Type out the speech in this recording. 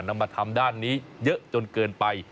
นำมาทำด้านนี้เยอะจนเกินไป